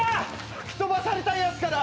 吹き飛ばされたいやつから。